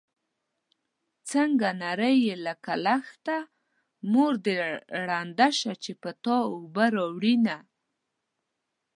څنګه نرۍ يې لکه لښته مور دې ړنده شه چې په تا اوبه راوړينه